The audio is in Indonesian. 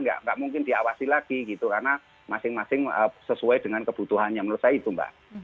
nggak mungkin diawasi lagi gitu karena masing masing sesuai dengan kebutuhannya menurut saya itu mbak